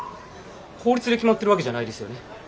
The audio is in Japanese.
法律で決まってるわけじゃないですよね？